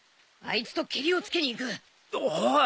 おい。